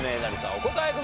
お答えください。